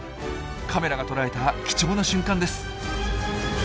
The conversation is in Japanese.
カメラが捉えた貴重な瞬間です。